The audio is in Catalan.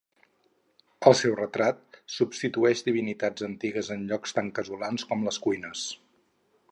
El seu retrat substitueix divinitats antigues en llocs tan casolans com les cuines.